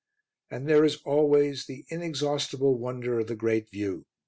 And there is always the inexhaustible wonder of the great view.